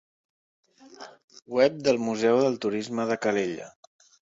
Web del Museu del Turisme de Calella.